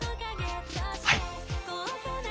はい。